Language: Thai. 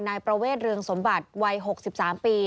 นายประเวทเรืองสมบัติวัย๖๓ปี